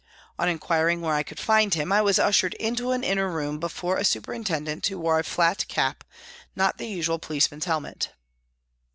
On inquiring where I could find him, I was ushered into an inner room before a superintendent who wore a flat cap, not the usual policeman's helmet.